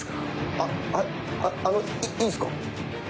あっはいあのいいですか。